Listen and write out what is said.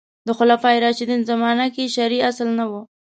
د خلفای راشدین زمانه کې شرعي اصل نه و